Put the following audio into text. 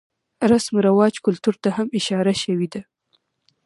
رسم رواج ،کلتور ته هم اشاره شوې ده.